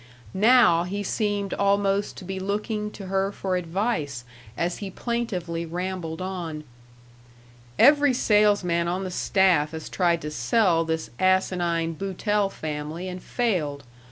Now he seemed almost to be looking to her for advice as he plaintively rambled on: "Every salesman on the staff has tried to sell this asinine Boutell family and failed.